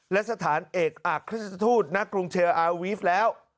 และสถานเอกอักษ์คริสตธูตณกรุงเชียร์อาร์วีฟแล้ว